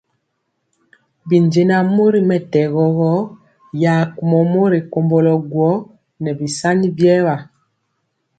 Binjɛnaŋ mori mɛtɛgɔ gɔ ya kumɔ mori komblo guó nɛ bisani biewa.